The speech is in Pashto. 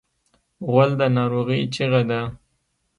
غول د ناروغۍ چیغه ده.